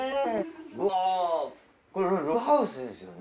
うわこれログハウスですよね。